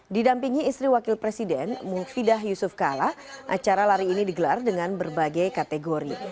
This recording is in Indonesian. didampingi istri wakil presiden mufidah yusuf kala acara lari ini digelar dengan berbagai kategori